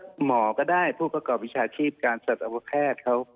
หมอก็ได้ผู้ประกอบวิชาชีพการสัตวแพทย์เขา